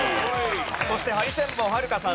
そしてハリセンボンはるかさん。